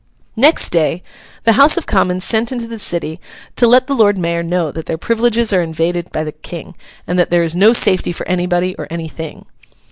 Next day, the House of Commons send into the City to let the Lord Mayor know that their privileges are invaded by the King, and that there is no safety for anybody or anything.